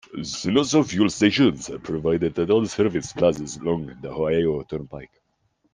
Sunoco fuel stations are provided at all service plazas along the Ohio Turnpike.